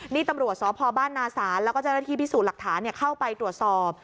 นี่ตำรวจสพบ้านนาศาลแล้วก็เจ้าหน้าที่พิสูจน์หลักฐานเข้าไปตรวจสอบ